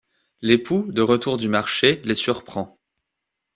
L'époux, de retour du marché, les surprend.